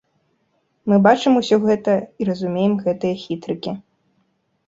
Мы бачым усё гэта і разумеем гэтыя хітрыкі.